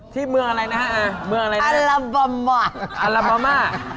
ที่เมืองอะไรนะฮะอาลาบาม่ะ